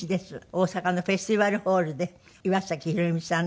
大阪のフェスティバルホールで岩崎宏美さん